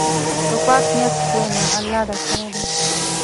په پاک نیت کښېنه، الله درسره دی.